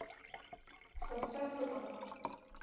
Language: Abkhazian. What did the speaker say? Сасра сыҟан.